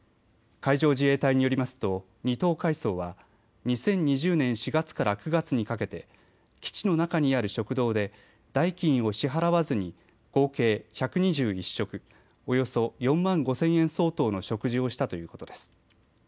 海上自衛隊によりますと２等海曹は２０２０年４月から９月にかけて基地の中にある食堂で代金を支払わずに合計１２１食、およそ４万５０００円相当の食事をしたということです。